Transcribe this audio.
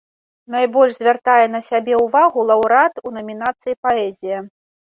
Найбольш звяртае на сябе ўвагу лаўрэат у намінацыі паэзія.